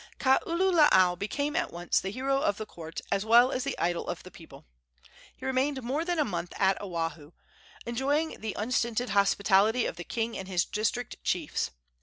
Kaululaau became at once the hero of the court as well as the idol of the people. He remained more than a month on Oahu, enjoying the unstinted hospitality of the king and his district chiefs.